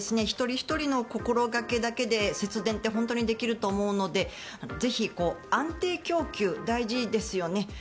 一人ひとりの心掛けだけで節電って本当にできると思うのでぜひ、安定供給大事ですよね。